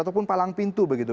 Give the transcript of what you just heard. ataupun palang pintu begitu